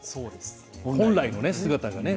本来の姿がね。